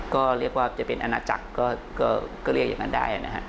ก็เรียกว่าจะเป็นอาณาจักรก็เรียกอย่างนั้นได้นะฮะ